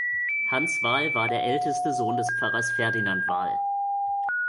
Hans Wahl war der älteste Sohn des Pfarrers Ferdinand Wahl.